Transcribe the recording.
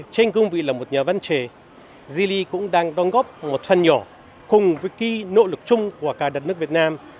trên cung vị là một nhà văn chế zili cũng đang đón góp một phần nhỏ cùng với ký nỗ lực chung của cả đất nước việt nam